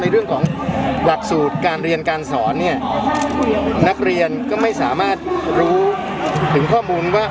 เรื่องของหลักสูตรการเรียนการสอนเนี่ยนักเรียนก็ไม่สามารถรู้ถึงข้อมูลว่า